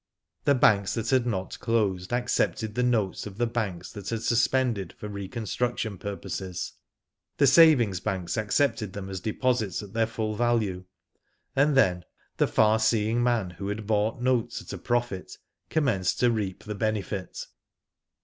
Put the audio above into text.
The banks •that had not closed accepted the notes of the banks that had suspended for reconstruction pur poses, the sa; ving banks accepted them as deposits at their full value, and then the far seeing man who had bought notes at a profit commenced to reap the benefit.